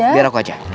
bisa biar aku aja